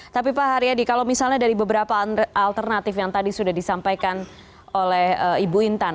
tapi pak haryadi kalau misalnya dari beberapa alternatif yang tadi sudah disampaikan oleh ibu intan